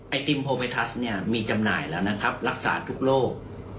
ไอติมพอเมธัสมีจำหน่ายแล้วนะครับรักษาทุกโรค